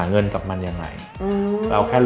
ตรงเนี้ยน่าจะมีเป็นความต้องการของคนนะที่จะค้นหาร้านอาหาร